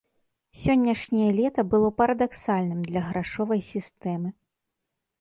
Сённяшняе лета было парадаксальным для грашовай сістэмы.